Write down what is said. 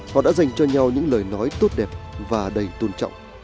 họ đã dành cho nhau những lời nói tốt đẹp và đầy tôn trọng